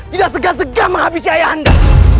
tidak segan segan menghabisi ayah anda